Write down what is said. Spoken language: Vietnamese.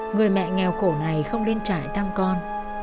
người mẹ nghèo khổ này không lên trại thăm con